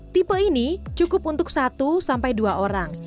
tipe ini cukup untuk satu sampai dua orang